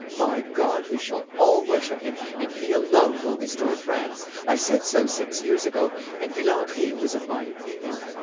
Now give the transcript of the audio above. By God, we shall all worship him, and he alone will restore France; I said so six years ago, and Villandry was of my opinion.